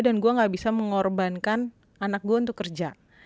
dan gue gak bisa mengorbankan anak gue untuk kerja